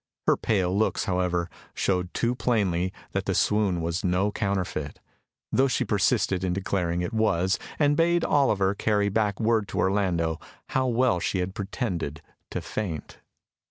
Her pale looks, however, showed too plainly that the swoon was no counterfeit, though she persisted in declaring it was, and bade Oliver carry back word to Orlando how well she had pretended to faint.